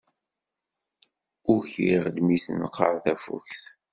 Ukiɣ-d mi d-tenqer tafukt.